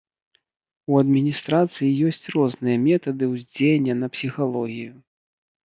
У адміністрацыі ёсць розныя метады ўздзеяння на псіхалогію.